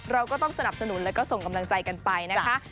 เราก็ต้องสนับสนุนแล้วก็ส่งกำลังใจกันไปนะคะ